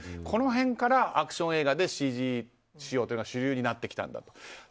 この辺からアクション映画でＣＧ使用が主流になってきたんだと。